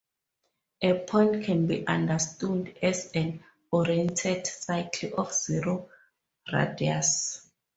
A point can be understood as an oriented circle of zero radius.